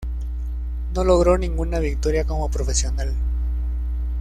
No logró ninguna victoria como profesional